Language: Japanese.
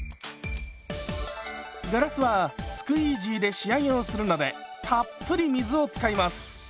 ガラスはスクイージーで仕上げをするのでたっぷり水を使います。